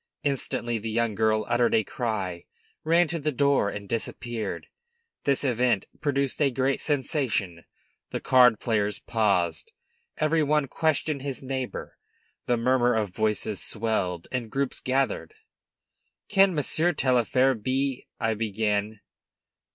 Instantly the young girl uttered a cry, ran to the door, and disappeared. This event produced a great sensation. The card players paused. Every one questioned his neighbor. The murmur of voices swelled, and groups gathered. "Can Monsieur Taillefer be " I began.